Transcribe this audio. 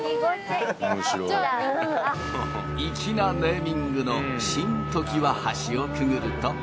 粋なネーミングのしんときわはしをくぐると。